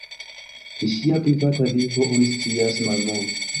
Pri ŝia privata vivo oni scias malmulte.